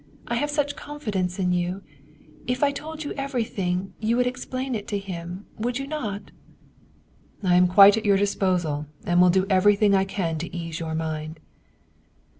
I have such confidence in you if I told you everything, you would explain it to him, would you not ?"" I am quite at your disposal, and will do everything I can to ease your mind."